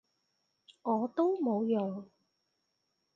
我都冇用